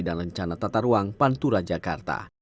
dan rencana tata ruang pantura jakarta